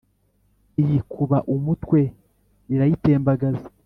Iyikuba umutwe irayitembagaza